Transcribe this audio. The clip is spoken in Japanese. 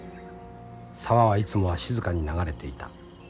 沢はいつもは静かに流れていた。